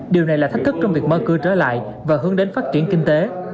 điều này là thách thức trong việc mơ cư trở lại và hướng đến phát triển kinh tế